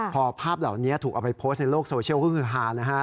พอภาพเหล่านี้ถูกเอาไปโพสต์ในโลกโซเชียลก็คือฮานะฮะ